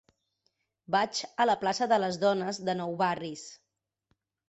Vaig a la plaça de Les Dones de Nou Barris.